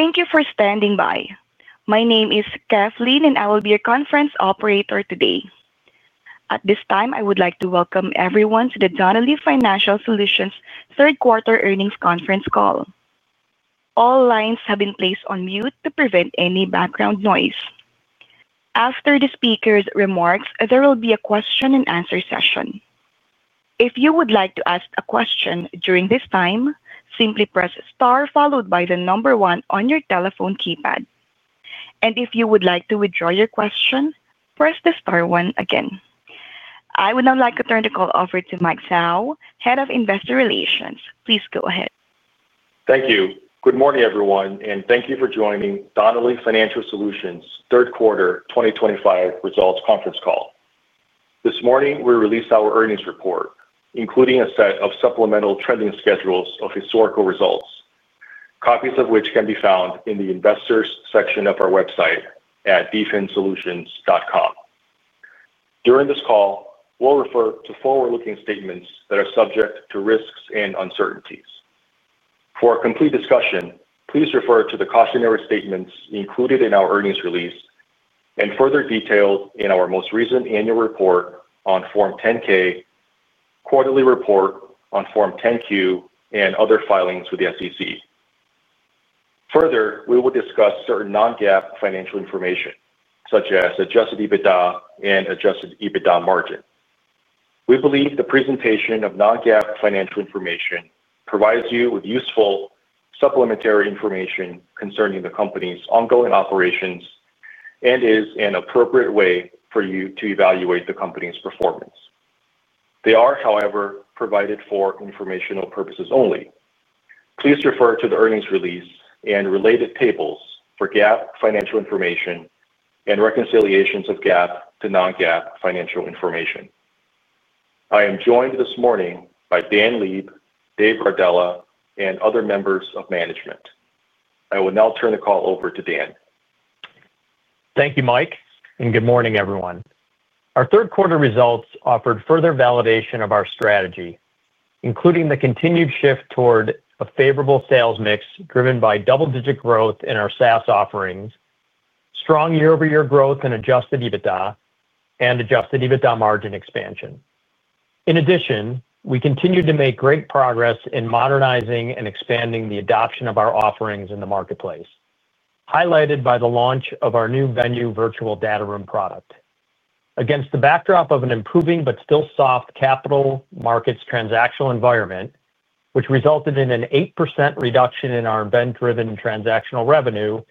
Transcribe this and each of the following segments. Thank you for standing by. My name is Kathleen, and I will be your Conference Operator today. At this time, I would like to welcome everyone to the Donnelley Financial Solutions' Third Quarter Earnings Conference Call. All lines have been placed on mute to prevent any background noise. After the speakers' remarks, there will be a question and answer session. If you would like to ask a question during this time, simply press the star followed by the number one on your telephone keypad. If you would like to withdraw your question, press the star one again. I would now like to turn the call over to Mike Zhao, Head of Investor Relations. Please go ahead. Thank you. Good morning, everyone, and thank you for joining Donnelley Financial Solutions' third quarter 2025 results conference call. This morning, we released our earnings report, including a set of supplemental trending schedules of historical results, copies of which can be found in the investors' section of our website at dfinsolutions.com. During this call, we'll refer to forward-looking statements that are subject to risks and uncertainties. For a complete discussion, please refer to the cautionary statements included in our earnings release and further details in our most recent annual report on Form 10-K, quarterly report on Form 10-Q, and other filings with the SEC. Further, we will discuss certain non-GAAP financial information, such as adjusted EBITDA and adjusted EBITDA margin. We believe the presentation of non-GAAP financial information provides you with useful supplementary information concerning the company's ongoing operations and is an appropriate way for you to evaluate the company's performance. They are, however, provided for informational purposes only. Please refer to the earnings release and related tables for GAAP financial information and reconciliations of GAAP to non-GAAP financial information. I am joined this morning by Dan Leib, Dave Gardella, and other members of management. I will now turn the call over to Dan. Thank you, Mike, and good morning, everyone. Our third-quarter results offered further validation of our strategy, including the continued shift toward a favorable sales mix driven by double-digit growth in our SaaS offerings, strong year-over-year growth in adjusted EBITDA, and adjusted EBITDA margin expansion. In addition, we continue to make great progress in modernizing and expanding the adoption of our offerings in the marketplace, highlighted by the launch of our new Venue virtual data room product. Against the backdrop of an improving but still soft capital markets transactional environment, which resulted in an 8% reduction in our event-driven transactional revenue,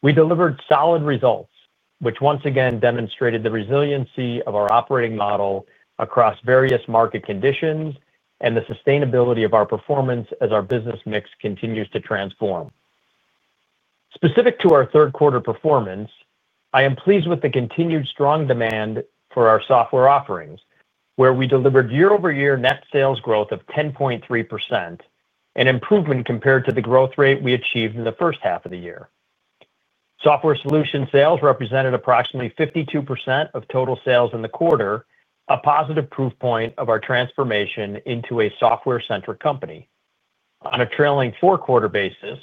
we delivered solid results, which once again demonstrated the resiliency of our operating model across various market conditions and the sustainability of our performance as our business mix continues to transform. Specific to our third-quarter performance, I am pleased with the continued strong demand for our software offerings, where we delivered year-over-year net sales growth of 10.3%, an improvement compared to the growth rate we achieved in the first half of the year. Software solution sales represented approximately 52% of total sales in the quarter, a positive proof point of our transformation into a software-centric company. On a trailing four-quarter basis,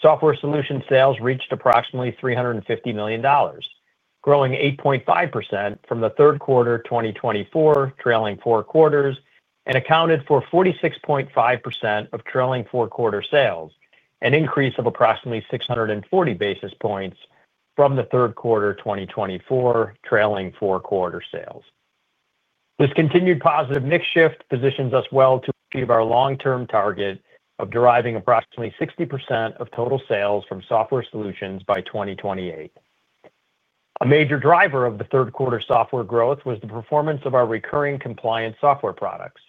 software solution sales reached approximately $350 million, growing 8.5% from the third quarter 2024, trailing four quarters, and accounted for 46.5% of trailing four-quarter sales, an increase of approximately 640 basis points from the third quarter 2024, trailing four-quarter sales. This continued positive mix shift positions us well to achieve our long-term target of deriving approximately 60% of total sales from software solutions by 2028. A major driver of the third-quarter software growth was the performance of our recurring compliance software products,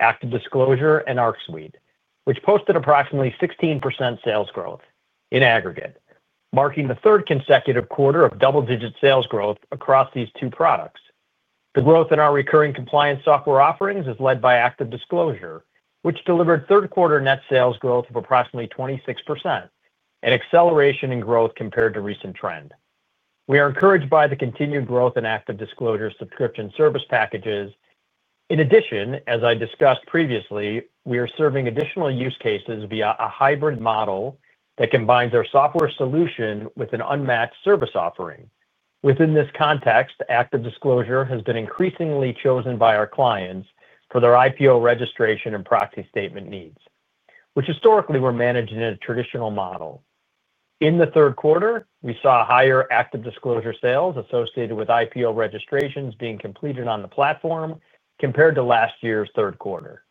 ActiveDisclosure and ArcSuite, which posted approximately 16% sales growth in aggregate, marking the third consecutive quarter of double-digit sales growth across these two products. The growth in our recurring compliance software offerings is led by ActiveDisclosure, which delivered third-quarter net sales growth of approximately 26%, an acceleration in growth compared to recent trend. We are encouraged by the continued growth in ActiveDisclosure subscription service packages. In addition, as I discussed previously, we are serving additional use cases via a hybrid model that combines our software solution with an unmatched service offering. Within this context, ActiveDisclosure has been increasingly chosen by our clients for their IPO registration and proxy statement needs, which historically were managed in a traditional model. In the third quarter, we saw higher ActiveDisclosure sales associated with IPO registrations being completed on the platform compared to last year's third quarter.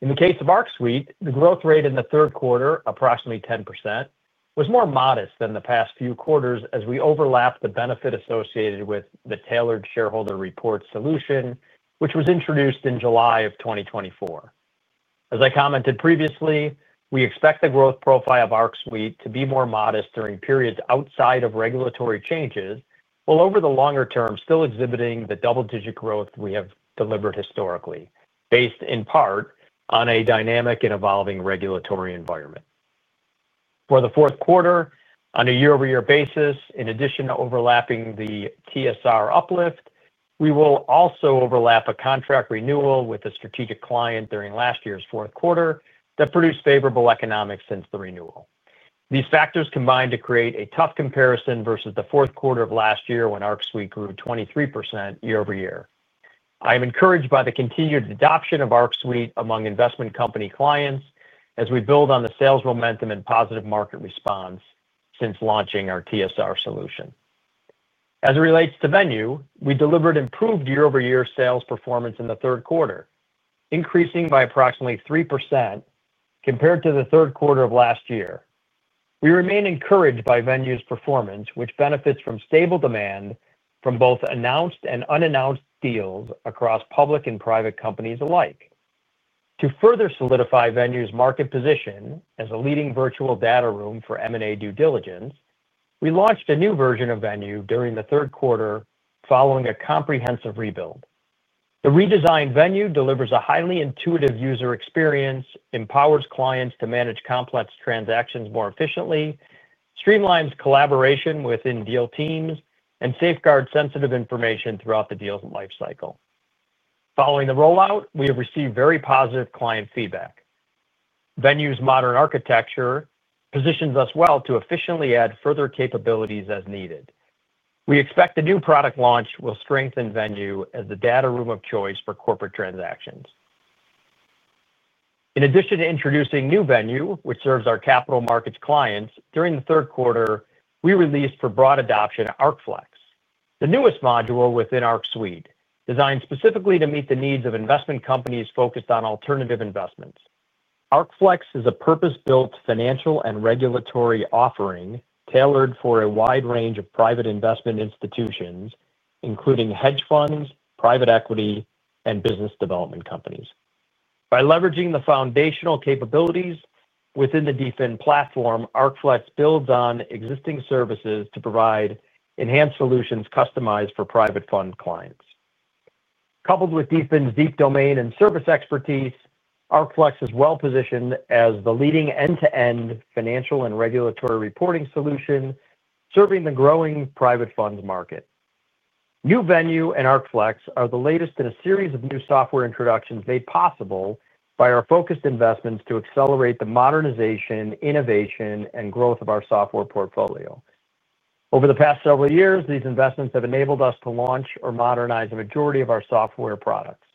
In the case of ArcSuite, the growth rate in the third quarter, approximately 10%, was more modest than the past few quarters as we overlapped the benefit associated with the tailored shareholder report solution, which was introduced in July of 2024. As I commented previously, we expect the growth profile of ArcSuite to be more modest during periods outside of regulatory changes, while over the longer term still exhibiting the double-digit growth we have delivered historically, based in part on a dynamic and evolving regulatory environment. For the fourth quarter, on a year-over-year basis, in addition to overlapping the TSR uplift, we will also overlap a contract renewal with a strategic client during last year's fourth quarter that produced favorable economics since the renewal. These factors combine to create a tough comparison versus the fourth quarter of last year when ArcSuite grew 23% year over year. I am encouraged by the continued adoption of ArcSuite among investment company clients as we build on the sales momentum and positive market response since launching our TSR solution. As it relates to Venue, we delivered improved year-over-year sales performance in the third quarter, increasing by approximately 3% compared to the third quarter of last year. We remain encouraged by Venue's performance, which benefits from stable demand from both announced and unannounced deals across public and private companies alike. To further solidify Venue's market position as a leading virtual data room for M&A due diligence, we launched a new version of Venue during the third quarter following a comprehensive rebuild. The redesigned Venue delivers a highly intuitive user experience, empowers clients to manage complex transactions more efficiently, streamlines collaboration within deal teams, and safeguards sensitive information throughout the deal's lifecycle. Following the rollout, we have received very positive client feedback. Venue's modern architecture positions us well to efficiently add further capabilities as needed. We expect the new product launch will strengthen Venue as the data room of choice for corporate transactions. In addition to introducing new Venue, which serves our capital markets clients, during the third quarter, we released for broad adoption ArcFlex, the newest module within ArcSuite, designed specifically to meet the needs of investment companies focused on alternative investments. ArcFlex is a purpose-built financial and regulatory offering tailored for a wide range of private investment institutions, including hedge funds, private equity, and business development companies. By leveraging the foundational capabilities within the DFIN platform, ArcFlex builds on existing services to provide enhanced solutions customized for private fund clients. Coupled with DFIN's deep domain and service expertise, ArcFlex is well-positioned as the leading end-to-end financial and regulatory reporting solution, serving the growing private funds market. New Venue and ArcFlex are the latest in a series of new software introductions made possible by our focused investments to accelerate the modernization, innovation, and growth of our software portfolio. Over the past several years, these investments have enabled us to launch or modernize a majority of our software products.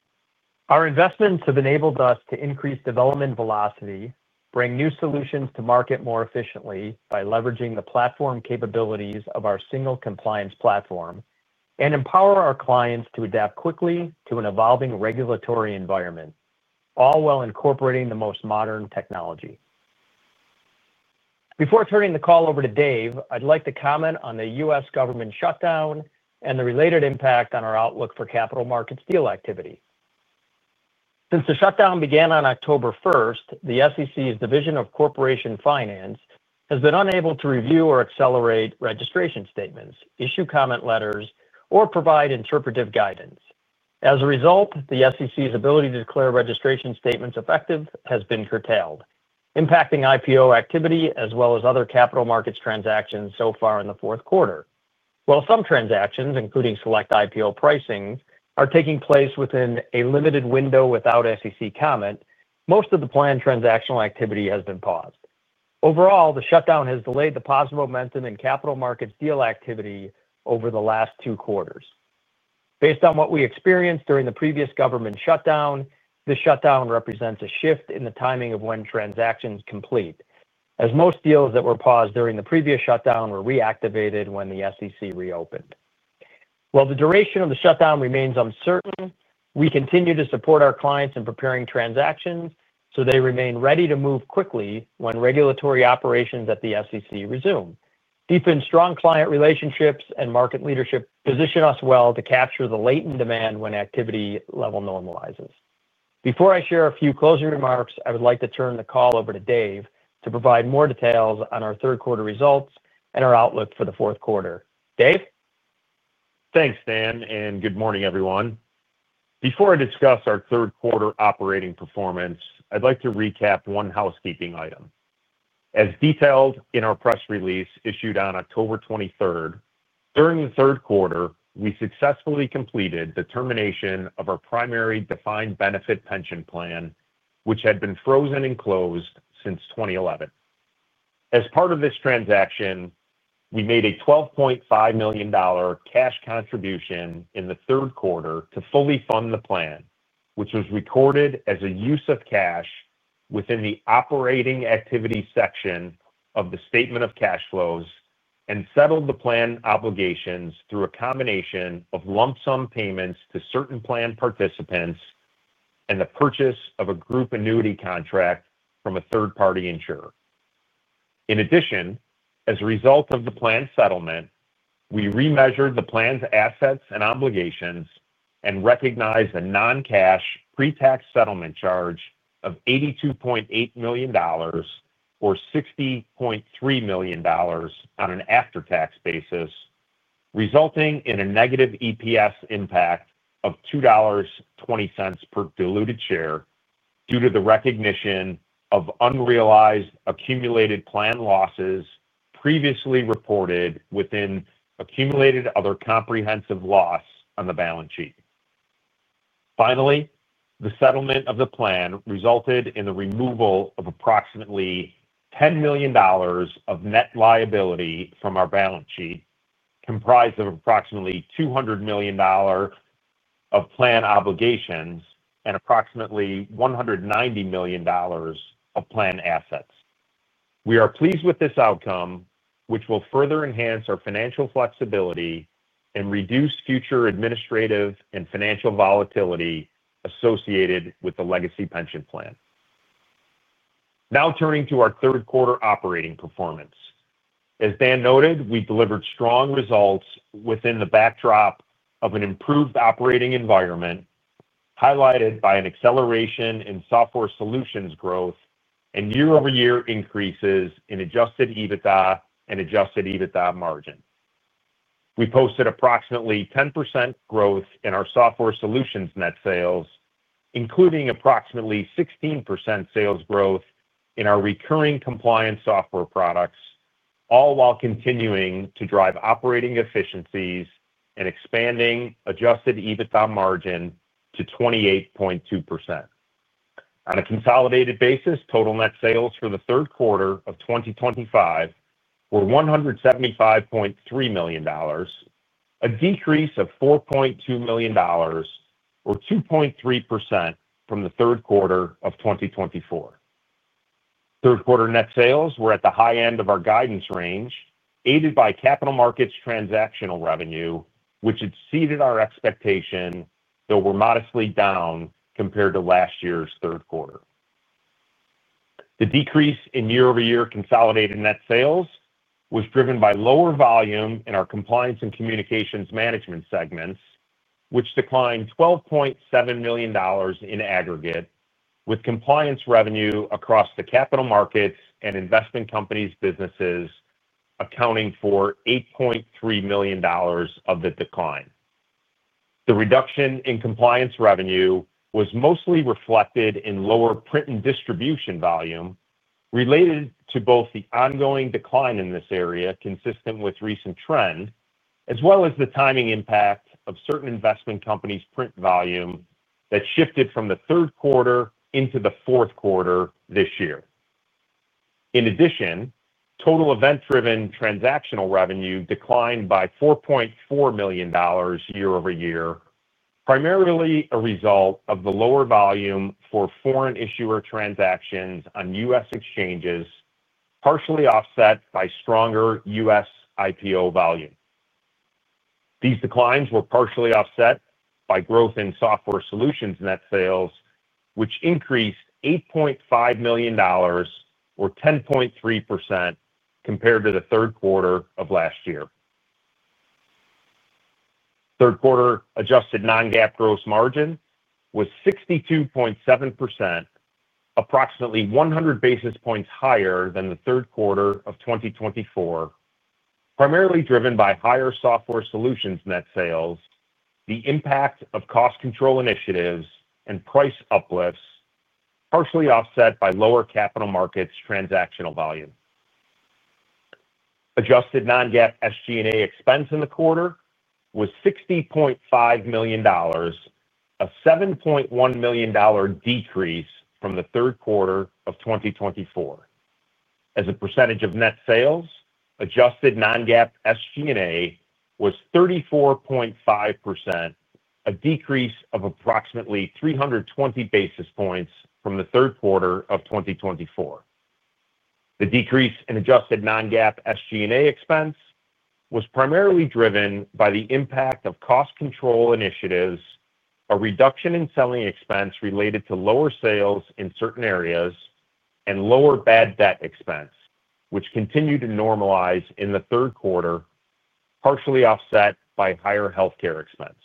Our investments have enabled us to increase development velocity, bring new solutions to market more efficiently by leveraging the platform capabilities of our single compliance platform, and empower our clients to adapt quickly to an evolving regulatory environment, all while incorporating the most modern technology. Before turning the call over to Dave, I'd like to comment on the U.S. government shutdown and the related impact on our outlook for capital markets deal activity. Since the shutdown began on October 1, the SEC's Division of Corporation Finance has been unable to review or accelerate registration statements, issue comment letters, or provide interpretive guidance. As a result, the SEC's ability to declare registration statements effective has been curtailed, impacting IPO activity as well as other capital markets transactions so far in the fourth quarter. While some transactions, including select IPO pricing, are taking place within a limited window without SEC comment, most of the planned transactional activity has been paused. Overall, the shutdown has delayed the positive momentum in capital markets deal activity over the last two quarters. Based on what we experienced during the previous government shutdown, this shutdown represents a shift in the timing of when transactions complete, as most deals that were paused during the previous shutdown were reactivated when the SEC reopened. While the duration of the shutdown remains uncertain, we continue to support our clients in preparing transactions so they remain ready to move quickly when regulatory operations at the SEC resume. DFIN's strong client relationships and market leadership position us well to capture the latent demand when activity level normalizes. Before I share a few closing remarks, I would like to turn the call over to Dave to provide more details on our third-quarter results and our outlook for the fourth quarter. Dave? Thanks, Dan, and good morning, everyone. Before I discuss our third-quarter operating performance, I'd like to recap one housekeeping item. As detailed in our press release issued on October 23, during the third quarter, we successfully completed the termination of our primary defined benefit pension plan, which had been frozen and closed since 2011. As part of this transaction, we made a $12.5 million cash contribution in the third quarter to fully fund the plan, which was recorded as a use of cash within the operating activity section of the statement of cash flows and settled the plan obligations through a combination of lump sum payments to certain plan participants and the purchase of a group annuity contract from a third-party insurer. In addition, as a result of the plan's settlement, we remeasured the plan's assets and obligations and recognized a non-cash pre-tax settlement charge of $82.8 million or $60.3 million on an after-tax basis, resulting in a negative EPS impact of $2.20 per diluted share due to the recognition of unrealized accumulated plan losses previously reported within accumulated other comprehensive loss on the balance sheet. Finally, the settlement of the plan resulted in the removal of approximately $10 million of net liability from our balance sheet, comprised of approximately $200 million of plan obligations and approximately $190 million of plan assets. We are pleased with this outcome, which will further enhance our financial flexibility and reduce future administrative and financial volatility associated with the legacy pension plan. Now turning to our third-quarter operating performance. As Dan noted, we delivered strong results within the backdrop of an improved operating environment highlighted by an acceleration in software solutions growth and year-over-year increases in adjusted EBITDA and adjusted EBITDA margin. We posted approximately 10% growth in our software solutions net sales, including approximately 16% sales growth in our recurring compliance software products, all while continuing to drive operating efficiencies and expanding adjusted EBITDA margin to 28.2%. On a consolidated basis, total net sales for the third quarter of 2025 were $175.3 million, a decrease of $4.2 million or 2.3% from the third quarter of 2024. Third quarter net sales were at the high end of our guidance range, aided by capital markets transactional revenue, which exceeded our expectation, though were modestly down compared to last year's third quarter. The decrease in year-over-year consolidated net sales was driven by lower volume in our compliance and communications management segments, which declined $12.7 million in aggregate, with compliance revenue across the capital markets and investment companies' businesses accounting for $8.3 million of the decline. The reduction in compliance revenue was mostly reflected in lower print and distribution volume related to both the ongoing decline in this area, consistent with recent trend, as well as the timing impact of certain investment companies' print volume that shifted from the third quarter into the fourth quarter this year. In addition, total event-driven transactional revenue declined by $4.4 million year over year, primarily a result of the lower volume for foreign issuer transactions on U.S. exchanges, partially offset by stronger U.S. IPO volume. These declines were partially offset by growth in software solutions net sales, which increased $8.5 million or 10.3% compared to the third quarter of last year. Third quarter adjusted non-GAAP gross margin was 62.7%, approximately 100 basis points higher than the third quarter of 2024, primarily driven by higher software solutions net sales, the impact of cost control initiatives, and price uplifts, partially offset by lower capital markets transactional volume. Adjusted non-GAAP SG&A expense in the quarter was $60.5 million, a $7.1 million decrease from the third quarter of 2024. As a percentage of net sales, adjusted non-GAAP SG&A was 34.5%, a decrease of approximately 320 basis points from the third quarter of 2024. The decrease in adjusted non-GAAP SG&A expense was primarily driven by the impact of cost control initiatives, a reduction in selling expense related to lower sales in certain areas, and lower bad debt expense, which continued to normalize in the third quarter, partially offset by higher healthcare expense.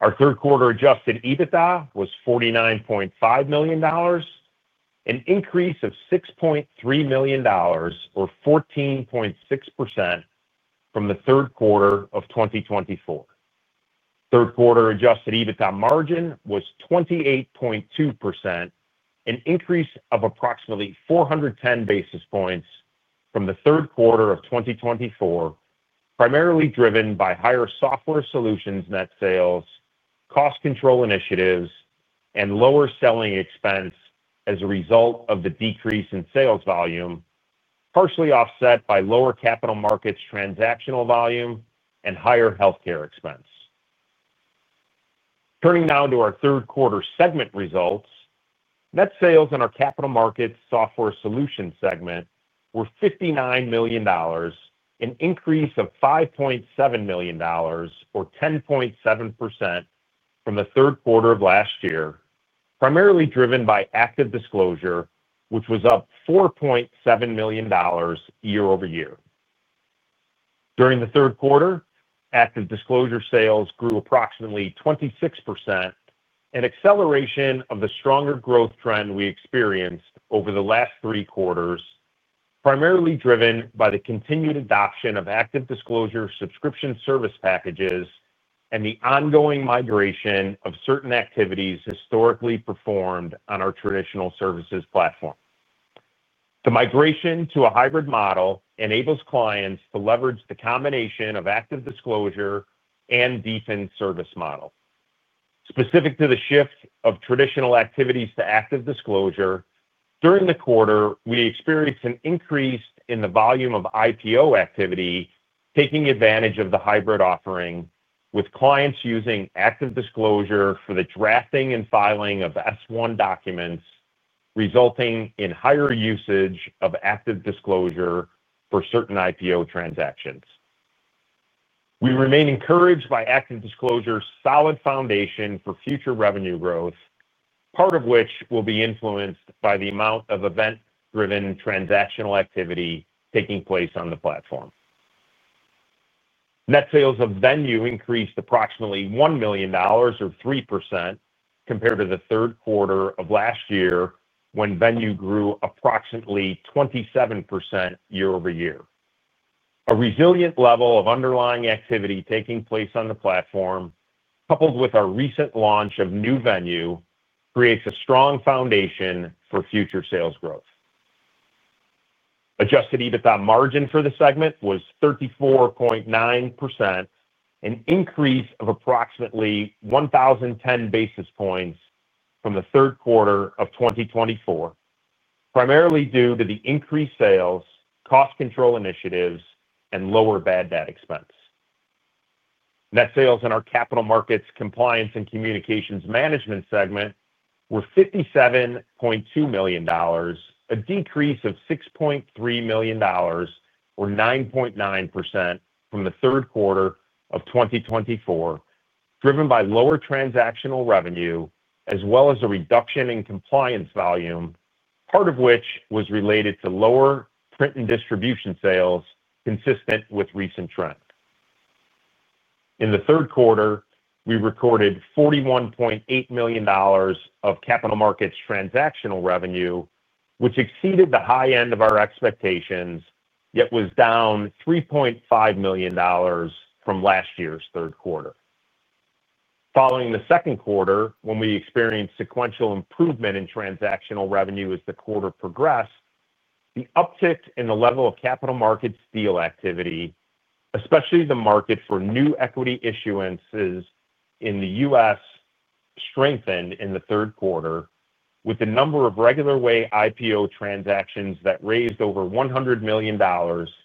Our third quarter adjusted EBITDA was $49.5 million, an increase of $6.3 million or 14.6% from the third quarter of 2024. Third quarter adjusted EBITDA margin was 28.2%, an increase of approximately 410 basis points from the third quarter of 2024, primarily driven by higher software solutions net sales, cost control initiatives, and lower selling expense as a result of the decrease in sales volume, partially offset by lower capital markets transactional volume and higher healthcare expense. Turning now to our third quarter segment results, net sales in our capital markets software solution segment were $59 million, an increase of $5.7 million or 10.7% from the third quarter of last year, primarily driven by ActiveDisclosure, which was up $4.7 million year over year. During the third quarter, ActiveDisclosure sales grew approximately 26%, an acceleration of the stronger growth trend we experienced over the last three quarters, primarily driven by the continued adoption of ActiveDisclosure subscription service packages and the ongoing migration of certain activities historically performed on our traditional services platform. The migration to a hybrid model enables clients to leverage the combination of ActiveDisclosure and DFIN's service model. Specific to the shift of traditional activities to ActiveDisclosure, during the quarter, we experienced an increase in the volume of IPO activity, taking advantage of the hybrid offering, with clients using ActiveDisclosure for the drafting and filing of S-1 documents, resulting in higher usage of ActiveDisclosure for certain IPO transactions. We remain encouraged by ActiveDisclosure's solid foundation for future revenue growth, part of which will be influenced by the amount of event-driven transactional activity taking place on the platform. Net sales of Venue increased approximately $1 million or 3% compared to the third quarter of last year, when Venue grew approximately 27% year over year. A resilient level of underlying activity taking place on the platform, coupled with our recent launch of new Venue, creates a strong foundation for future sales growth. Adjusted EBITDA margin for the segment was 34.9%, an increase of approximately 1,010 basis points from the third quarter of 2024, primarily due to the increased sales, cost control initiatives, and lower bad debt expense. Net sales in our capital markets compliance and communications management segment were $57.2 million, a decrease of $6.3 million or 9.9% from the third quarter of 2024, driven by lower transactional revenue, as well as a reduction in compliance volume, part of which was related to lower print and distribution sales, consistent with recent trends. In the third quarter, we recorded $41.8 million of capital markets transactional revenue, which exceeded the high end of our expectations, yet was down $3.5 million from last year's third quarter. Following the second quarter, when we experienced sequential improvement in transactional revenue as the quarter progressed, the uptick in the level of capital markets deal activity, especially the market for new equity issuances in the U.S., strengthened in the third quarter, with the number of regular way IPO transactions that raised over $100 million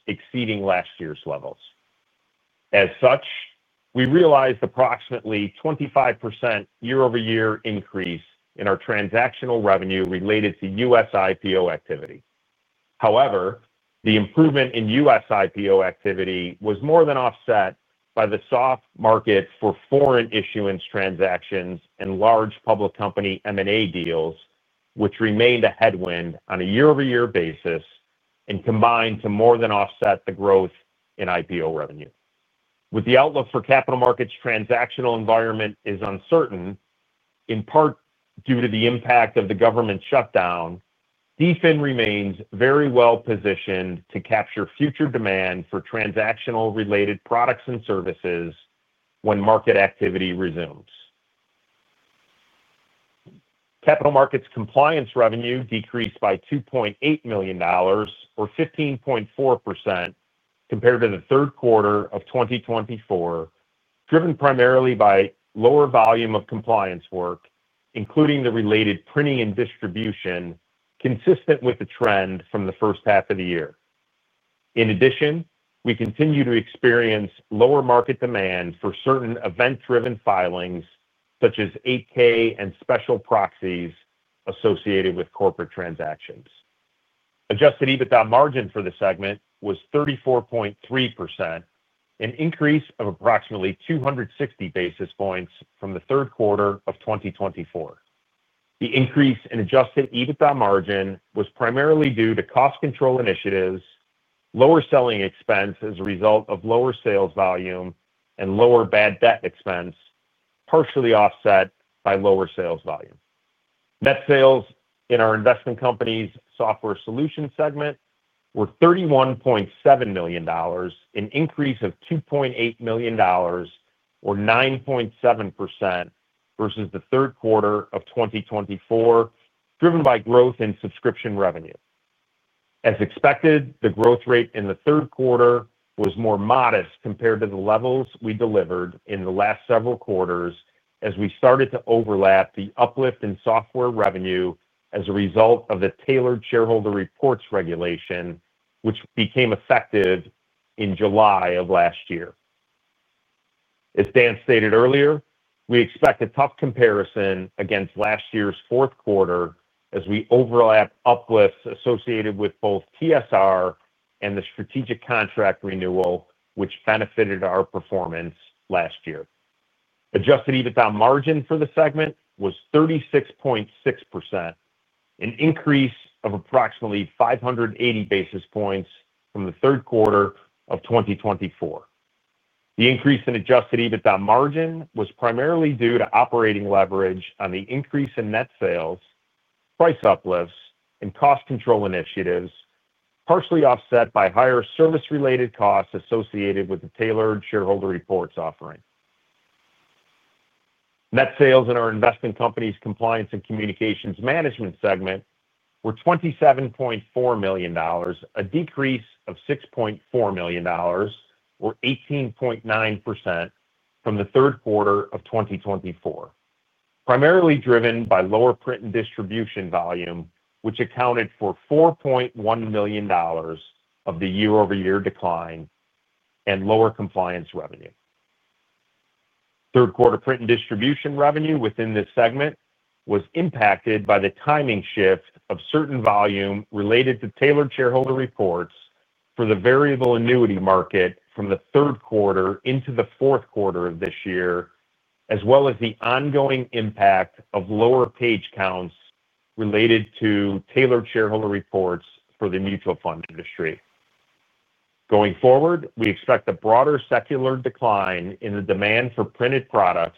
exceeding last year's levels. As such, we realized approximately a 25% year-over-year increase in our transactional revenue related to U.S. IPO activity. However, the improvement in U.S. IPO activity was more than offset by the soft market for foreign issuance transactions and large public company M&A deals, which remained a headwind on a year-over-year basis and combined to more than offset the growth in IPO revenue. With the outlook for capital markets transactional environment uncertain, in part due to the impact of the government shutdown, Donnelley Financial Solutions remains very well positioned to capture future demand for transactional related products and services when market activity resumes. Capital markets compliance revenue decreased by $2.8 million or 15.4% compared to the third quarter of 2024, driven primarily by lower volume of compliance work, including the related printing and distribution, consistent with the trend from the first half of the year. In addition, we continue to experience lower market demand for certain event-driven filings, such as 8-K and special proxies associated with corporate transactions. Adjusted EBITDA margin for the segment was 34.3%, an increase of approximately 260 basis points from the third quarter of 2024. The increase in adjusted EBITDA margin was primarily due to cost control initiatives, lower selling expense as a result of lower sales volume, and lower bad debt expense, partially offset by lower sales volume. Net sales in our investment companies' software solution segment were $31.7 million, an increase of $2.8 million or 9.7% versus the third quarter of 2024, driven by growth in subscription revenue. As expected, the growth rate in the third quarter was more modest compared to the levels we delivered in the last several quarters as we started to overlap the uplift in software revenue as a result of the tailored shareholder reports regulation, which became effective in July of last year. As Dan stated earlier, we expect a tough comparison against last year's fourth quarter as we overlap uplifts associated with both TSR and the strategic contract renewal, which benefited our performance last year. Adjusted EBITDA margin for the segment was 36.6%, an increase of approximately 580 basis points from the third quarter of 2024. The increase in adjusted EBITDA margin was primarily due to operating leverage on the increase in net sales, price uplifts, and cost control initiatives, partially offset by higher service-related costs associated with the tailored shareholder reports offering. Net sales in our investment companies' compliance and communications management segment were $27.4 million, a decrease of $6.4 million or 18.9% from the third quarter of 2024, primarily driven by lower print and distribution volume, which accounted for $4.1 million of the year-over-year decline and lower compliance revenue. Third quarter print and distribution revenue within this segment was impacted by the timing shift of certain volume related to tailored shareholder reports for the variable annuity market from the third quarter into the fourth quarter of this year, as well as the ongoing impact of lower page counts related to tailored shareholder reports for the mutual fund industry. Going forward, we expect a broader secular decline in the demand for printed products,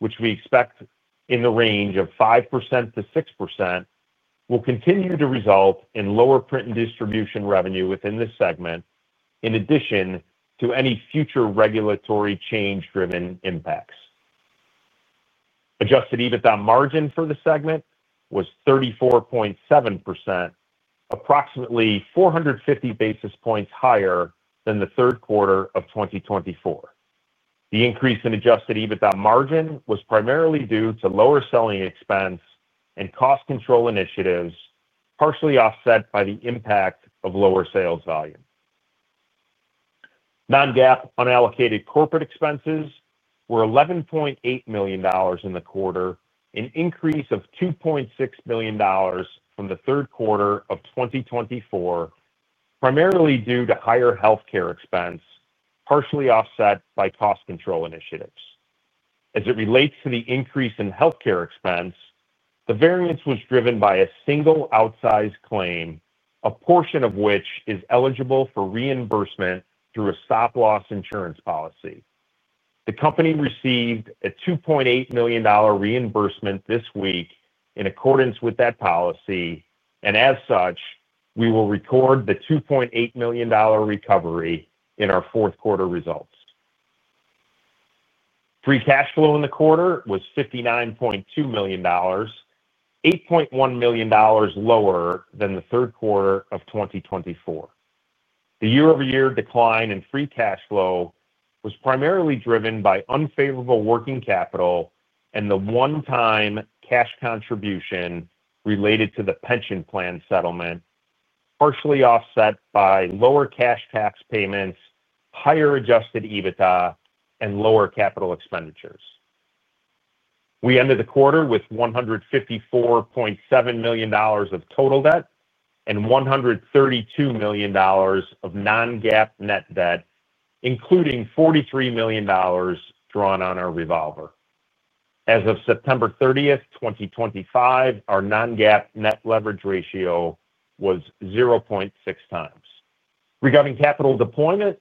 which we expect in the range of 5%-6% will continue to result in lower print and distribution revenue within this segment, in addition to any future regulatory change-driven impacts. Adjusted EBITDA margin for the segment was 34.7%, approximately 450 basis points higher than the third quarter of 2024. The increase in adjusted EBITDA margin was primarily due to lower selling expense and cost control initiatives, partially offset by the impact of lower sales volume. Non-GAAP unallocated corporate expenses were $11.8 million in the quarter, an increase of $2.6 million from the third quarter of 2024, primarily due to higher healthcare expense, partially offset by cost control initiatives. As it relates to the increase in healthcare expense, the variance was driven by a single outsized claim, a portion of which is eligible for reimbursement through a stop-loss insurance policy. The company received a $2.8 million reimbursement this week in accordance with that policy, and as such, we will record the $2.8 million recovery in our fourth quarter results. Free cash flow in the quarter was $59.2 million, $8.1 million lower than the third quarter of 2024. The year-over-year decline in free cash flow was primarily driven by unfavorable working capital and the one-time cash contribution related to the pension plan settlement, partially offset by lower cash tax payments, higher adjusted EBITDA, and lower capital expenditures. We ended the quarter with $154.7 million of total debt and $132 million of non-GAAP net debt, including $43 million drawn on our revolver. As of September 30, 2025, our non-GAAP net leverage ratio was 0.6 times. Regarding capital deployment,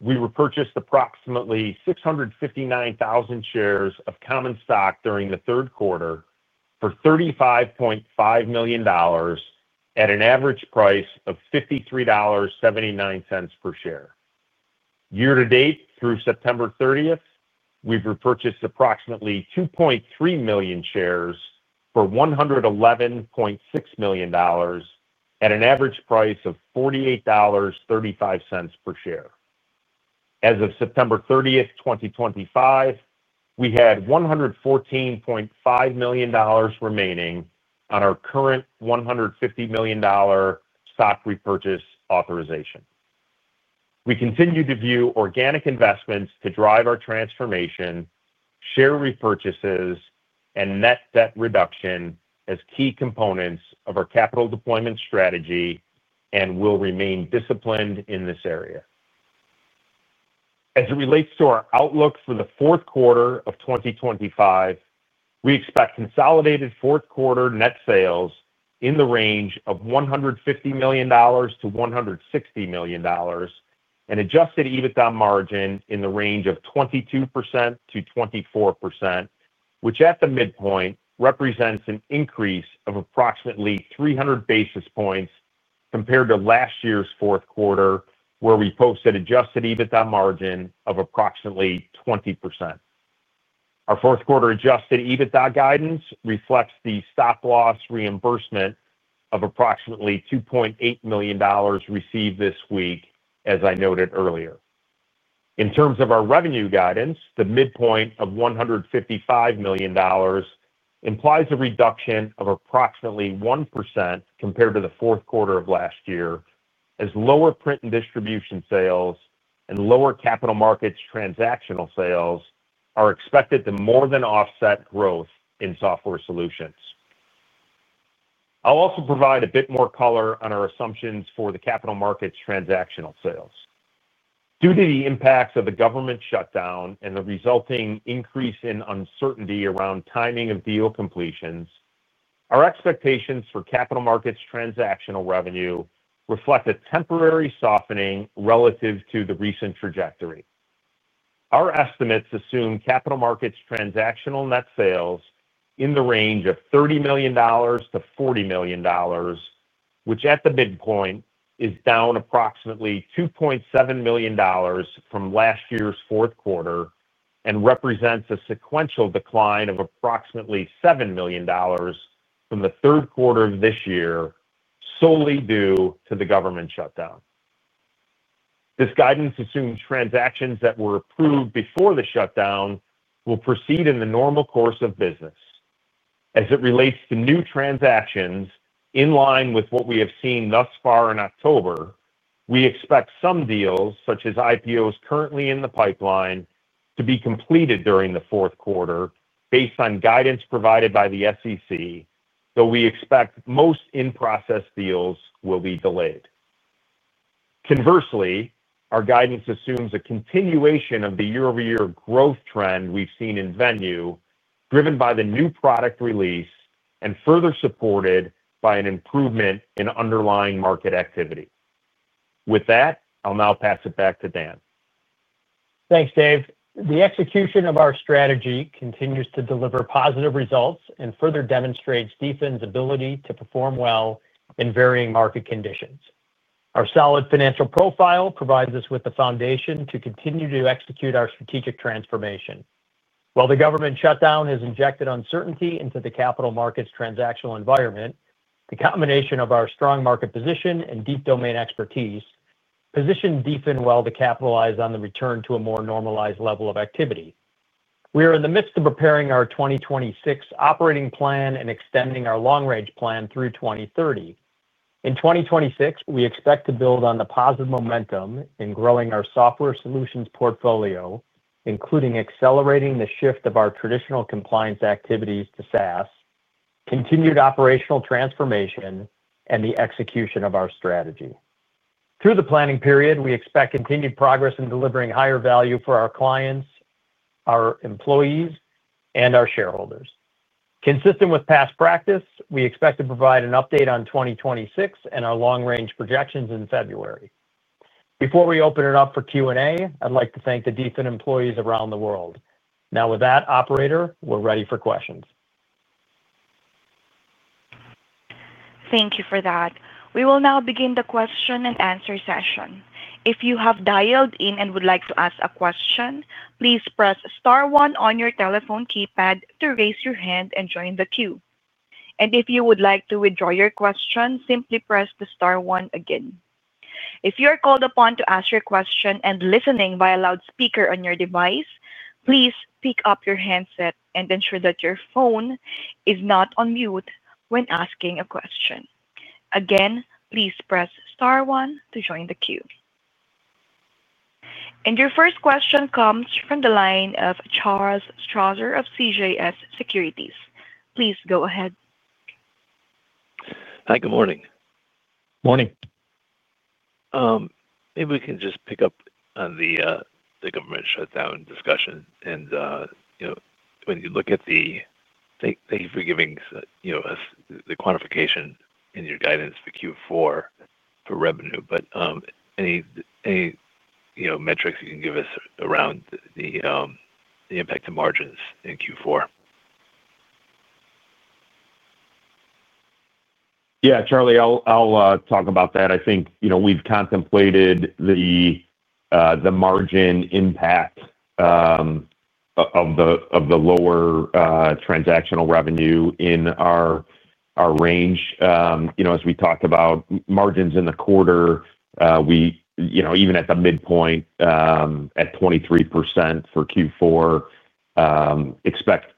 we repurchased approximately 659,000 shares of common stock during the third quarter for $35.5 million at an average price of $53.79 per share. Year to date through September 30, we've repurchased approximately 2.3 million shares for $111.6 million at an average price of $48.35 per share. As of September 30, 2025, we had $114.5 million remaining on our current $150 million stock repurchase authorization. We continue to view organic investments to drive our transformation, share repurchases, and net debt reduction as key components of our capital deployment strategy and will remain disciplined in this area. As it relates to our outlook for the fourth quarter of 2025, we expect consolidated fourth quarter net sales in the range of $150 million to $160 million and adjusted EBITDA margin in the range of 22%-24%, which at the midpoint represents an increase of approximately 300 basis points compared to last year's fourth quarter, where we posted an adjusted EBITDA margin of approximately 20%. Our fourth quarter adjusted EBITDA guidance reflects the stop-loss reimbursement of approximately $2.8 million received this week, as I noted earlier. In terms of our revenue guidance, the midpoint of $155 million implies a reduction of approximately 1% compared to the fourth quarter of last year, as lower print and distribution sales and lower capital markets transactional sales are expected to more than offset growth in software solutions. I'll also provide a bit more color on our assumptions for the capital markets transactional sales. Due to the impacts of the government shutdown and the resulting increase in uncertainty around timing of deal completions, our expectations for capital markets transactional revenue reflect a temporary softening relative to the recent trajectory. Our estimates assume capital markets transactional net sales in the range of $30 million to $40 million, which at the midpoint is down approximately $2.7 million from last year's fourth quarter and represents a sequential decline of approximately $7 million from the third quarter of this year, solely due to the government shutdown. This guidance assumes transactions that were approved before the shutdown will proceed in the normal course of business. As it relates to new transactions in line with what we have seen thus far in October, we expect some deals, such as IPOs currently in the pipeline, to be completed during the fourth quarter based on guidance provided by the SEC, though we expect most in-process deals will be delayed. Conversely, our guidance assumes a continuation of the year-over-year growth trend we've seen in Venue, driven by the new product release and further supported by an improvement in underlying market activity. With that, I'll now pass it back to Dan. Thanks, Dave. The execution of our strategy continues to deliver positive results and further demonstrates DFIN's ability to perform well in varying market conditions. Our solid financial profile provides us with the foundation to continue to execute our strategic transformation. While the government shutdown has injected uncertainty into the capital markets transactional environment, the combination of our strong market position and deep domain expertise positioned DFIN well to capitalize on the return to a more normalized level of activity. We are in the midst of preparing our 2026 operating plan and extending our long-range plan through 2030. In 2026, we expect to build on the positive momentum in growing our software solutions portfolio, including accelerating the shift of our traditional compliance activities to SaaS, continued operational transformation, and the execution of our strategy. Through the planning period, we expect continued progress in delivering higher value for our clients, our employees, and our shareholders. Consistent with past practice, we expect to provide an update on 2026 and our long-range projections in February. Before we open it up for Q&A, I'd like to thank the DFIN employees around the world. Now, with that, operator, we're ready for questions. Thank you for that. We will now begin the question and answer session. If you have dialed in and would like to ask a question, please press star one on your telephone keypad to raise your hand and join the queue. If you would like to withdraw your question, simply press the star one again. If you are called upon to ask your question and listening via loudspeaker on your device, please pick up your handset and ensure that your phone is not on mute when asking a question. Again, please press star one to join the queue. Your first question comes from the line of Charles Strauzer of CJS Securities. Please go ahead. Hi, good morning. Morning. Maybe we can just pick up on the government shutdown discussion. When you look at the thank you for giving us the quantification in your guidance for Q4 for revenue, are there any metrics you can give us around the impact to margins in Q4? Yeah, Charlie, I'll talk about that. I think you know we've contemplated the margin impact of the lower transactional revenue in our range. As we talk about margins in the quarter, even at the midpoint at 23% for Q4, expect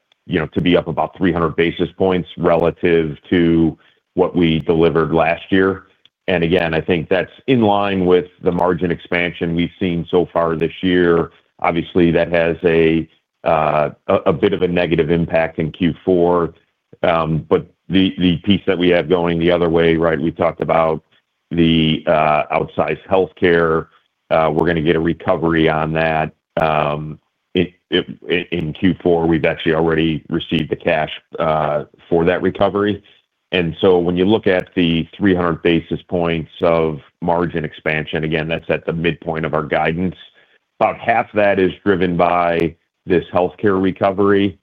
to be up about 300 basis points relative to what we delivered last year. I think that's in line with the margin expansion we've seen so far this year. Obviously, that has a bit of a negative impact in Q4. The piece that we have going the other way, we talked about the outsized healthcare. We're going to get a recovery on that. In Q4, we've actually already received the cash for that recovery. When you look at the 300 basis points of margin expansion, that's at the midpoint of our guidance. About half that is driven by this healthcare recovery.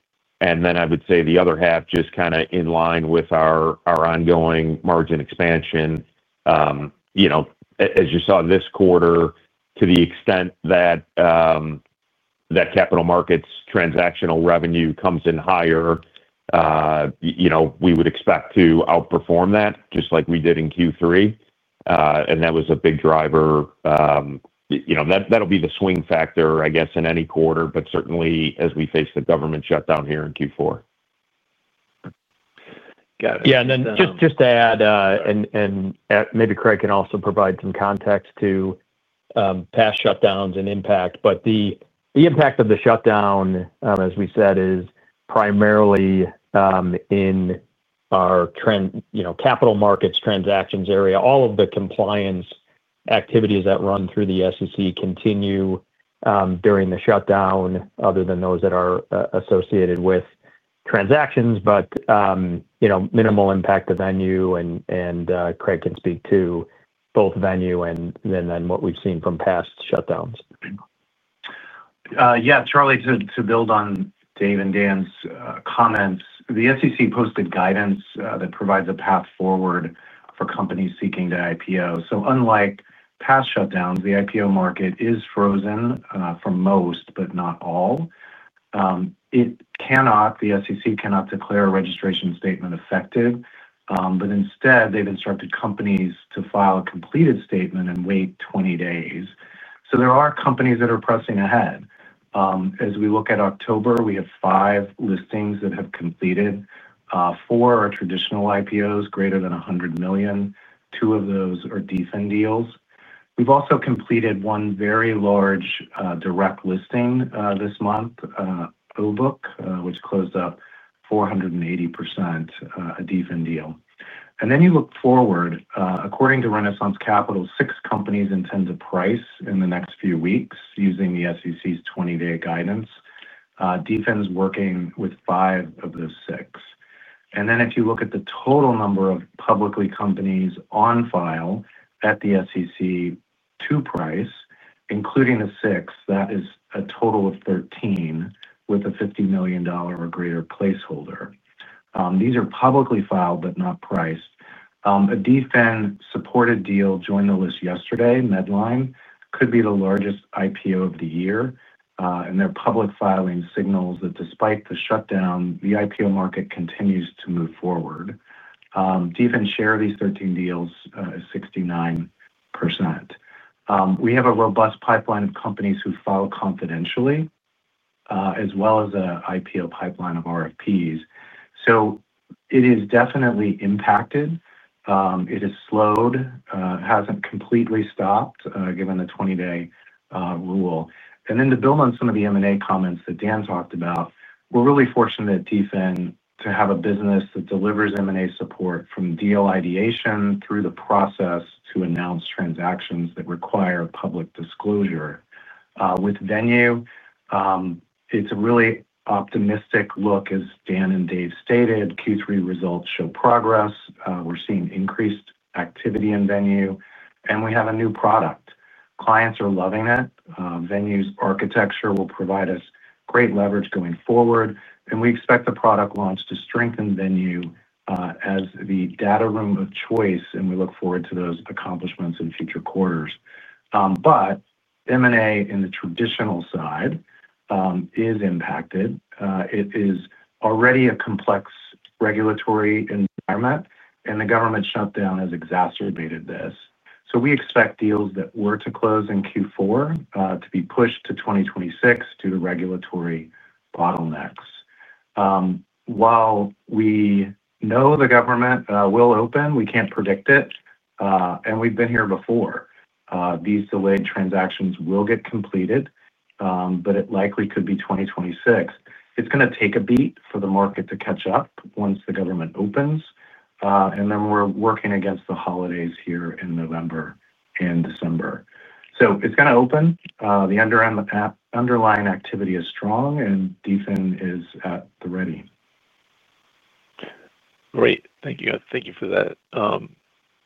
I would say the other half just kind of in line with our ongoing margin expansion. As you saw this quarter, to the extent that capital markets transactional revenue comes in higher, we would expect to outperform that just like we did in Q3. That was a big driver. That'll be the swing factor, I guess, in any quarter, certainly as we face the government shutdown here in Q4. Got it. Yeah, just to add, and maybe Craig can also provide some context to past shutdowns and impact. The impact of the shutdown, as we said, is primarily in our trend, you know, capital markets transactions area. All of the compliance activities that run through the SEC continue during the shutdown, other than those that are associated with transactions. Minimal impact of Venue, and Craig can speak to both Venue and what we've seen from past shutdowns. Yeah, Charlie, to build on Dave and Dan's comments, the SEC posted guidance that provides a path forward for companies seeking to IPO. Unlike past shutdowns, the IPO market is frozen for most, but not all. The SEC cannot declare a registration statement effective, but instead, they've instructed companies to file a completed statement and wait 20 days. There are companies that are pressing ahead. As we look at October, we have five listings that have completed. Four are traditional IPOs, greater than $100 million. Two of those are DFIN deals. We've also completed one very large direct listing this month, OBOK, which closed up 480%, a DFIN deal. Looking forward, according to Renaissance Capital, six companies intend to price in the next few weeks using the SEC's 20-day guidance. DFIN's working with five of the six. If you look at the total number of publicly held companies on file at the SEC to price, including the six, that is a total of 13 with a $50 million or greater placeholder. These are publicly filed but not priced. A DFIN-supported deal joined the list yesterday, Medline, which could be the largest IPO of the year. Their public filing signals that despite the shutdown, the IPO market continues to move forward. DFIN's share of these 13 deals is 69%. We have a robust pipeline of companies who file confidentially, as well as an IPO pipeline of RFPs. It is definitely impacted. It has slowed, hasn't completely stopped given the 20-day rule. To build on some of the M&A comments that Dan talked about, we're really fortunate at DFIN to have a business that delivers M&A support from deal ideation through the process to announce transactions that require public disclosure. With Venue, it's a really optimistic look, as Dan and Dave stated. Q3 results show progress. We're seeing increased activity in Venue, and we have a new product. Clients are loving it. Venue's architecture will provide us great leverage going forward, and we expect the product launch to strengthen Venue as the data room of choice. We look forward to those accomplishments in future quarters. M&A in the traditional side is impacted. It is already a complex regulatory environment, and the government shutdown has exacerbated this. We expect deals that were to close in Q4 to be pushed to 2026 due to regulatory bottlenecks. While we know the government will open, we can't predict it. We've been here before. These delayed transactions will get completed, but it likely could be 2026. It's going to take a beat for the market to catch up once the government opens. We're working against the holidays here in November and December. It's going to open. The underlying activity is strong and DFIN is at the ready. Great. Thank you. Thank you for that.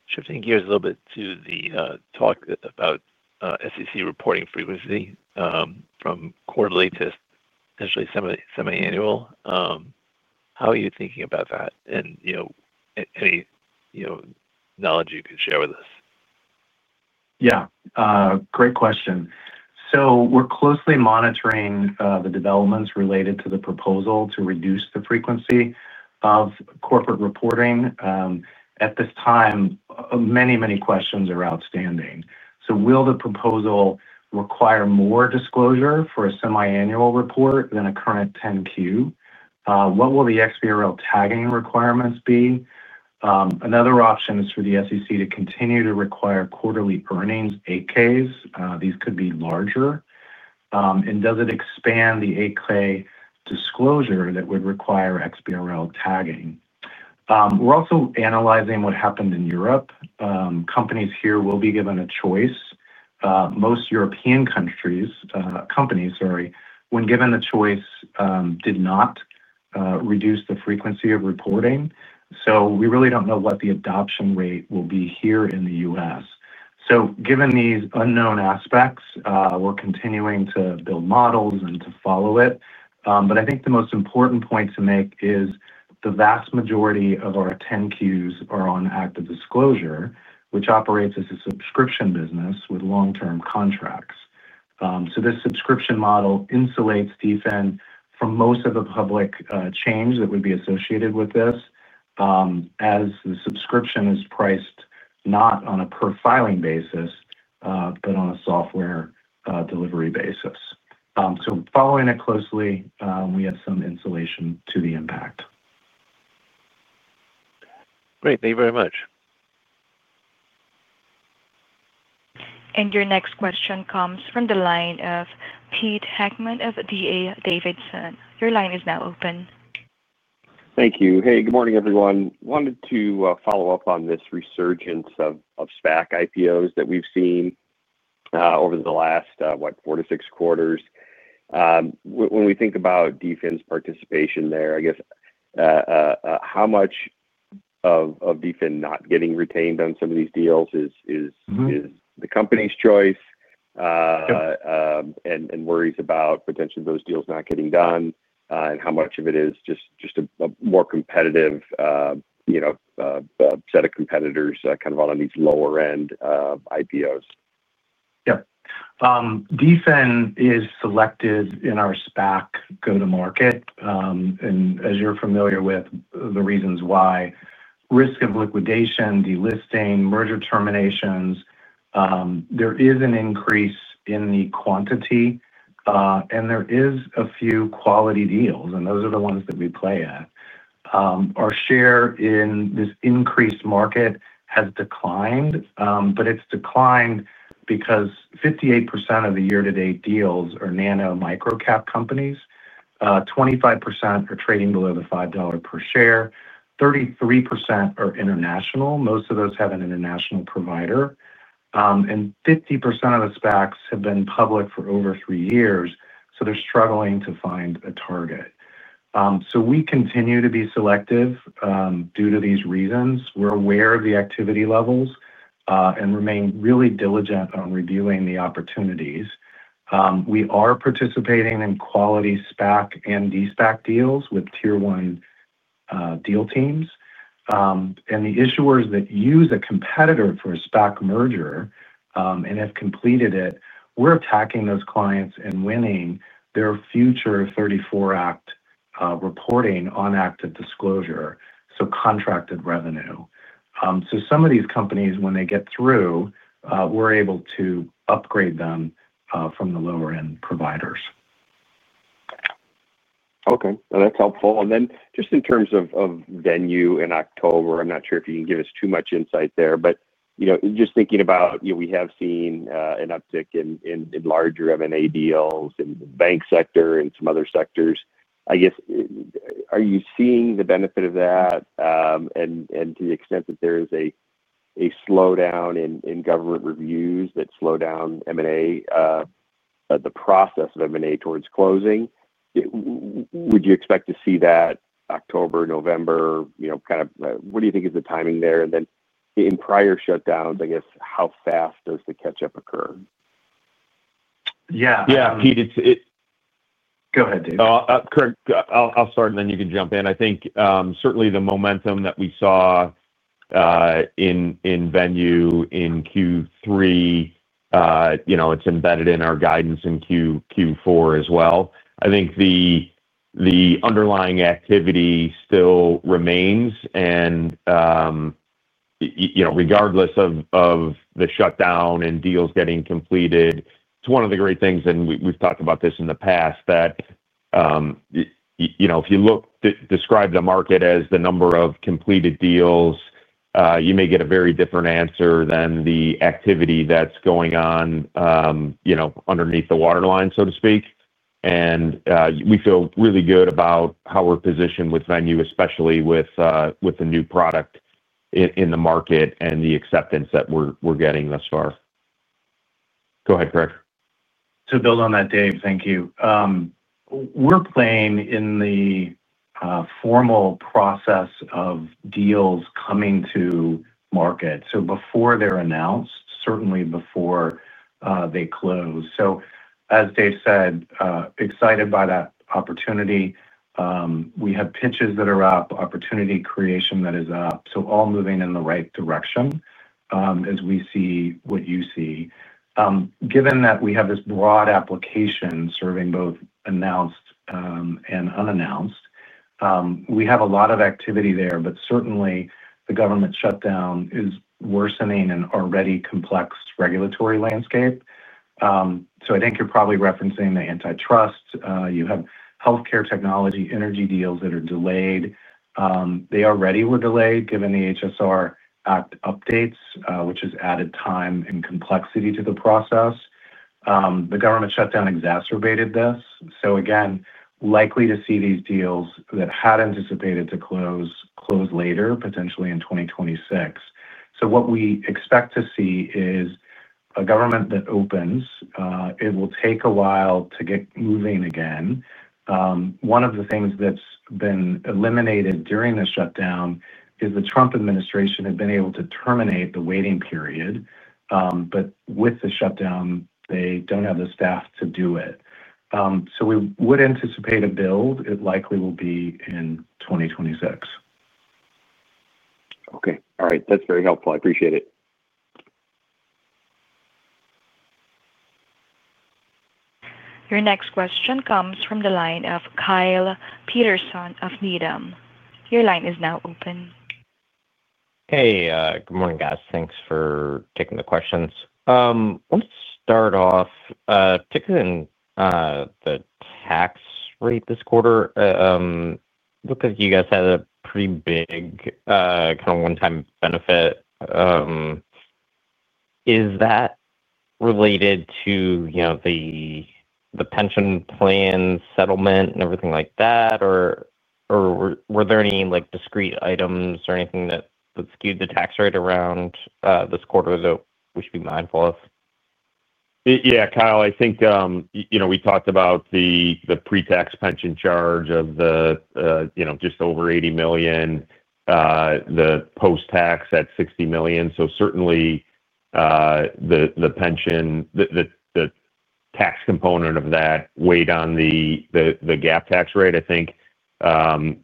Shifting gears a little bit to the talk about SEC reporting frequency from quarterly to potentially semi-annual, how are you thinking about that? Any knowledge you could share with us? Yeah. Great question. We're closely monitoring the developments related to the proposal to reduce the frequency of corporate reporting. At this time, many, many questions are outstanding. Will the proposal require more disclosure for a semi-annual report than a current 10-Q? What will the XBRL tagging requirements be? Another option is for the SEC to continue to require quarterly earnings, 8-Ks. These could be larger. Does it expand the 8-K disclosure that would require XBRL tagging? We're also analyzing what happened in Europe. Most European companies, when given the choice, did not reduce the frequency of reporting. We really don't know what the adoption rate will be here in the U.S. Given these unknown aspects, we're continuing to build models and to follow it. I think the most important point to make is the vast majority of our 10-Qs are on ActiveDisclosure, which operates as a subscription business with long-term contracts. This subscription model insulates DFIN from most of the public change that would be associated with this, as the subscription is priced not on a per-filing basis, but on a software delivery basis. Following it closely, we have some insulation to the impact. Great. Thank you very much. Your next question comes from the line of Peter Heckmann of D.A. Davidson. Your line is now open. Thank you. Good morning, everyone. Wanted to follow up on this resurgence of SPAC IPOs that we've seen over the last four to six quarters. When we think about DFIN's participation there, I guess, how much of DFIN not getting retained on some of these deals is the company's choice and worries about potentially those deals not getting done, and how much of it is just a more competitive set of competitors on these lower-end IPOs. Yep. DFIN is selected in our SPAC go-to-market, and as you're familiar with the reasons why—risk of liquidation, delisting, merger terminations—there is an increase in the quantity, and there are a few quality deals, and those are the ones that we play at. Our share in this increased market has declined, but it's declined because 58% of the year-to-date deals are nano-micro-cap companies, 25% are trading below the $5 per share, 33% are international. Most of those have an international provider, and 50% of the SPACs have been public for over three years, so they're struggling to find a target. We continue to be selective due to these reasons. We're aware of the activity levels and remain really diligent on reviewing the opportunities. We are participating in quality SPAC and D-SPAC deals with tier one deal teams, and the issuers that use a competitor for a SPAC merger and have completed it—we're attacking those clients and winning their future 34 Act reporting on ActiveDisclosure, so contracted revenue. Some of these companies, when they get through, we're able to upgrade them from the lower-end providers. Okay, that's helpful. In terms of Venue in October, I'm not sure if you can give us too much insight there, but just thinking about, we have seen an uptick in larger M&A deals in the bank sector and some other sectors. I guess, are you seeing the benefit of that? To the extent that there is a slowdown in government reviews that slow down M&A, the process of M&A towards closing, would you expect to see that October, November, what do you think is the timing there? In prior shutdowns, I guess, how fast does the catch-up occur? Yeah. Yeah, Pete, go ahead, Dave. Craig, I'll start and then you can jump in. I think certainly the momentum that we saw in Venue in Q3, it's embedded in our guidance in Q4 as well. I think the underlying activity still remains. You know, regardless of the shutdown and deals getting completed, it's one of the great things, and we've talked about this in the past, that if you look to describe the market as the number of completed deals, you may get a very different answer than the activity that's going on underneath the waterline, so to speak. We feel really good about how we're positioned with Venue, especially with a new product in the market and the acceptance that we're getting thus far. Go ahead, Craig. To build on that, Dave, thank you. We're playing in the formal process of deals coming to market, before they're announced, certainly before they close. As Dave said, excited by that opportunity. We have pitches that are up, opportunity creation that is up, all moving in the right direction, as we see what you see. Given that we have this broad application serving both announced and unannounced, we have a lot of activity there, but certainly, the government shutdown is worsening an already complex regulatory landscape. I think you're probably referencing the antitrust. You have healthcare, technology, energy deals that are delayed. They already were delayed given the HSR Act updates, which has added time and complexity to the process. The government shutdown exacerbated this. Likely to see these deals that had anticipated to close, close later, potentially in 2026. What we expect to see is a government that opens; it will take a while to get moving again. One of the things that's been eliminated during the shutdown is the Trump administration had been able to terminate the waiting period, but with the shutdown, they don't have the staff to do it. We would anticipate a build. It likely will be in 2026. Okay. All right. That's very helpful. I appreciate it. Your next question comes from the line of Kyle Peterson of Needham. Your line is now open. Hey, good morning, guys. Thanks for taking the questions. Let's start off, particularly in the tax rate this quarter. It looked like you guys had a pretty big, kind of one-time benefit. Is that related to the pension plan settlement and everything like that? Or were there any discrete items or anything that skewed the tax rate around this quarter that we should be mindful of? Yeah, Kyle, I think, you know, we talked about the pre-tax pension charge of just over $80 million, the post-tax at $60 million. Certainly, the pension, the tax component of that weighed on the GAAP tax rate, I think.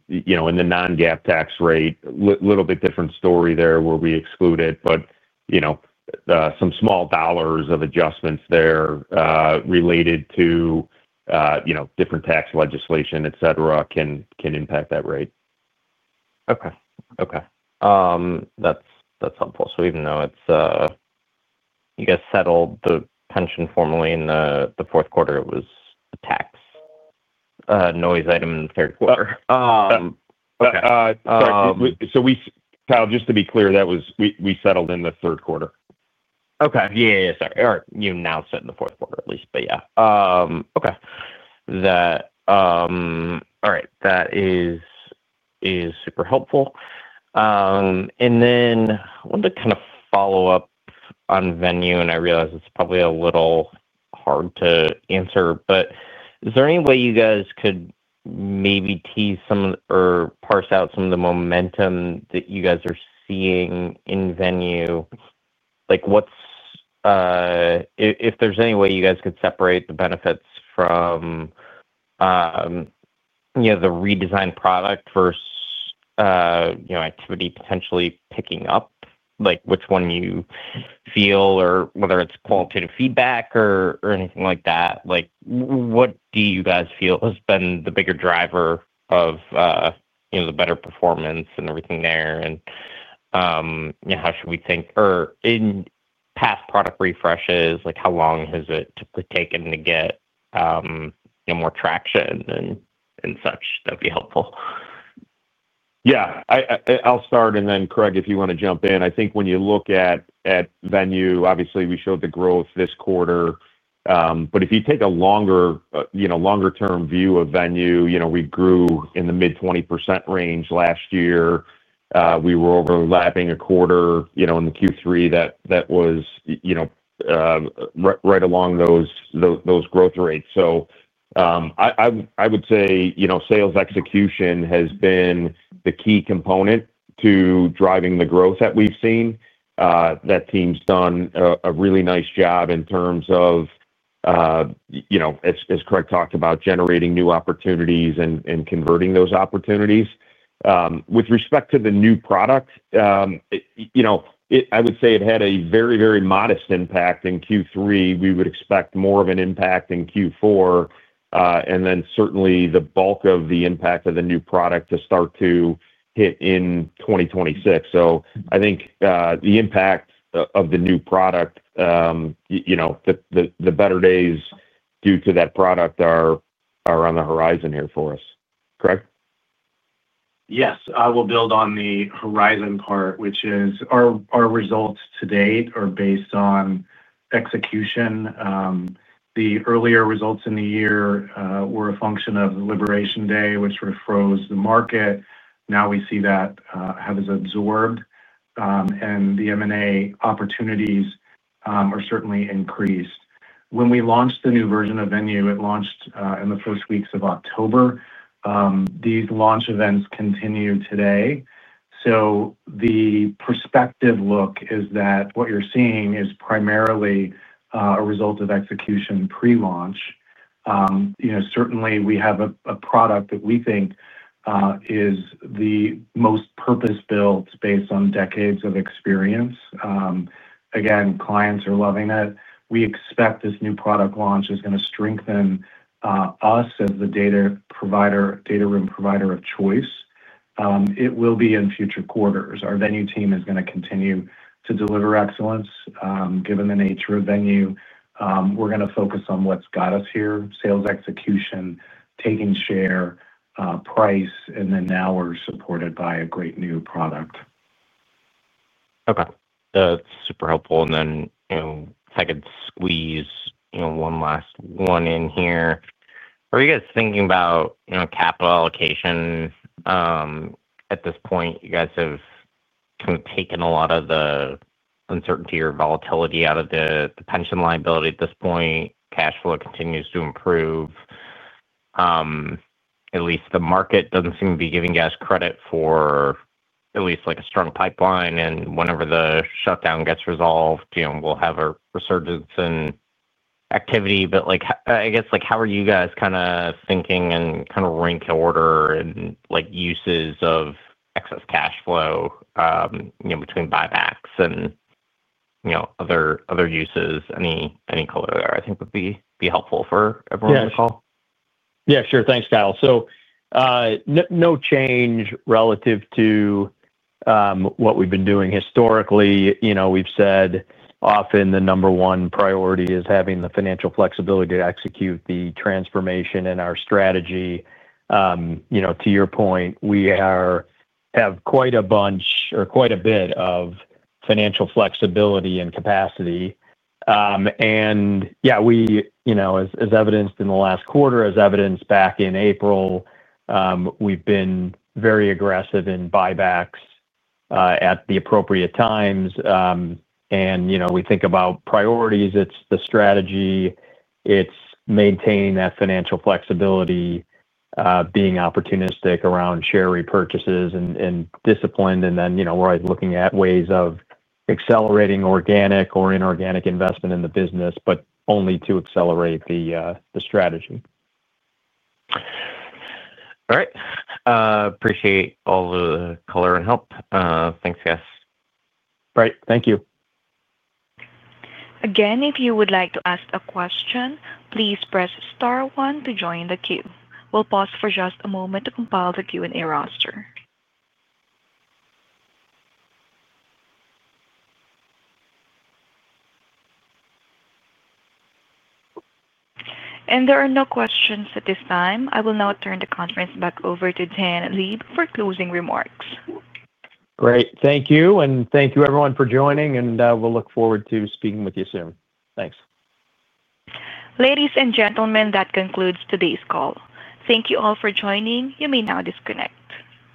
You know, in the non-GAAP tax rate, a little bit different story there where we exclude it. Some small dollars of adjustments there, related to different tax legislation, etc., can impact that rate. Okay, that's helpful. Even though you guys settled the pension formally in the fourth quarter, it was a tax noise item in the third quarter, okay. Sorry, Kyle, just to be clear, that was we settled in the third quarter. Okay. You announced it in the fourth quarter at least, but yeah, okay. That is super helpful. I wanted to kind of follow up on Venue, and I realize it's probably a little hard to answer, but is there any way you guys could maybe tease some of the or parse out some of the momentum that you guys are seeing in Venue? If there's any way you guys could separate the benefits from the redesigned product versus activity potentially picking up, which one you feel, or whether it's qualitative feedback or anything like that? What do you guys feel has been the bigger driver of the better performance and everything there? How should we think? In past product refreshes, how long has it typically taken to get more traction and such? That would be helpful. Yeah. I'll start, and then Craig, if you want to jump in. I think when you look at Venue, obviously, we showed the growth this quarter. If you take a longer, you know, longer-term view of Venue, we grew in the mid-20% range last year. We were overlapping a quarter in Q3 that was right along those growth rates. I would say sales execution has been the key component to driving the growth that we've seen. That team's done a really nice job in terms of, as Craig talked about, generating new opportunities and converting those opportunities. With respect to the new product, I would say it had a very, very modest impact in Q3. We would expect more of an impact in Q4, and certainly the bulk of the impact of the new product to start to hit in 2026. I think the impact of the new product, the better days due to that product are on the horizon here for us. Correct? Yes. I will build on the horizon part, which is our results to date are based on execution. The earlier results in the year were a function of the Liberation Day, which froze the market. Now we see that has absorbed, and the M&A opportunities are certainly increased. When we launched the new version of Venue, it launched in the first weeks of October. These launch events continue today. The prospective look is that what you're seeing is primarily a result of execution pre-launch. Certainly, we have a product that we think is the most purpose-built based on decades of experience. Again, clients are loving it. We expect this new product launch is going to strengthen us as the data room provider of choice. It will be in future quarters. Our Venue team is going to continue to deliver excellence, given the nature of Venue. We're going to focus on what's got us here: sales execution, taking share, price, and then now we're supported by a great new product. Okay. That's super helpful. If I could squeeze one last one in here, are you guys thinking about capital allocation? At this point, you guys have kind of taken a lot of the uncertainty or volatility out of the pension liability at this point. Cash flow continues to improve. At least the market doesn't seem to be giving us credit for at least like a strong pipeline. Whenever the shutdown gets resolved, we'll have a resurgence in activity. I guess, how are you guys kind of thinking and kind of rank order uses of excess cash flow between buybacks and other uses? Any color there, I think, would be helpful for everyone on the call. Yeah, sure. Thanks, Kyle. No change relative to what we've been doing historically. We've said often the number one priority is having the financial flexibility to execute the transformation in our strategy. To your point, we have quite a bit of financial flexibility and capacity. As evidenced in the last quarter, as evidenced back in April, we've been very aggressive in buybacks at the appropriate times. We think about priorities. It's the strategy. It's maintaining that financial flexibility, being opportunistic around share repurchases and disciplined. We're always looking at ways of accelerating organic or inorganic investment in the business, but only to accelerate the strategy. All right. Appreciate all the color and help. Thanks, guys. All right. Thank you. Again, if you would like to ask a question, please press star one to join the queue. We'll pause for just a moment to compile the Q&A roster. There are no questions at this time. I will now turn the conference back over to Dan Leib for closing remarks. Great. Thank you. Thank you, everyone, for joining. We'll look forward to speaking with you soon. Thanks. Ladies and gentlemen, that concludes today's call. Thank you all for joining. You may now disconnect.